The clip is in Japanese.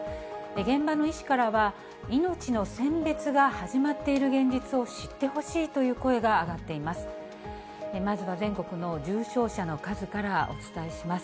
現場の医師からは、命の選別が始まっている現実を知ってほしいという声が上がっています。